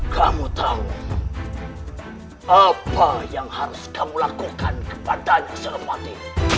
kamu tahu apa yang harus kamu lakukan kepadanya serbati